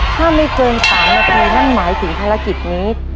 ถ้าไม่เกิน๓นาทีนั่นหมายถึงภารกิจนี้